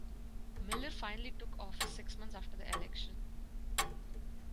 Millar finally took office six months after the election.